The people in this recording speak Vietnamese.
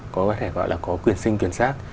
có thể gọi là có quyền sinh quyền sát